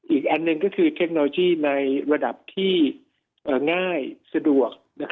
อีกอันหนึ่งก็คือเทคโนโลยีในระดับที่ง่ายสะดวก